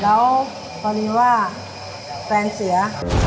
แล้วพอดีว่าแฟนเสีย